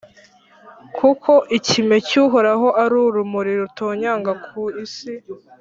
Kuko ikime cy’Uhoraho ari urumuri rutonyanga ku isi,